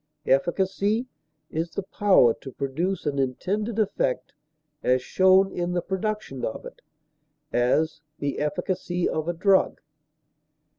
Efficacy is the power to produce an intended effect as shown in the production of it; as, the efficacy of a drug.